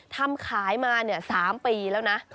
ทำขายมา๓ปีแล้วนะ